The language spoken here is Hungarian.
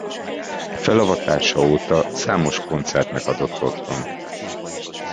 Felavatása óta számos koncertnek adott otthont.